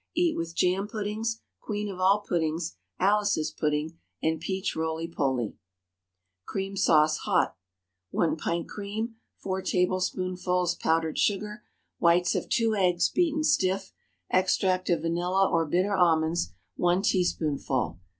Eat with jam puddings, queen of all puddings, Alice's pudding, and peach roley poley. CREAM SAUCE (hot.) ✠ 1 pint cream. 4 tablespoonfuls powdered sugar. Whites of two eggs, beaten stiff. Extract of vanilla or bitter almonds, one teaspoonful.